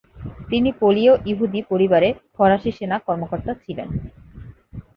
তিনি পোলীয় ইহুদি পরিবারে ফরাসি সেনা কর্মকর্তা ছিলেন।